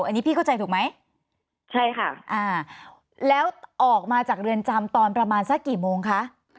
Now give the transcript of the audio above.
อันนี้พี่เข้าใจถูกไหมใช่ค่ะอ่าแล้วออกมาจากเรือนจำตอนประมาณสักกี่โมงคะ